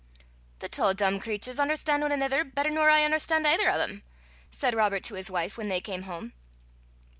"The twa dumb craturs un'erstan' ane anither better nor I un'erstan' aither o' them," said Robert to his wife when they came home.